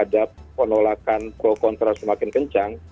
ada penolakan pro kontra semakin kencang